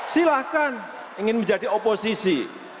silahkan ingin menjadi oposisi